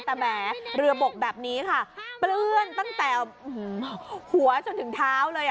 แต่แหมเรือบกแบบนี้ค่ะเปลื้อนตั้งแต่หัวจนถึงเท้าเลย